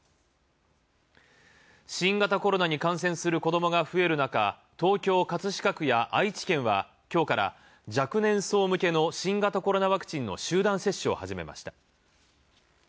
新型コロナに感染する子どもが増える中、東京・葛飾区や愛知県は今日から若年層向けの新型コロナワクチンの集団接種を始めました。